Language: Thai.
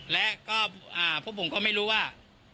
และก็พวกผมก็ไม่รู้ว่า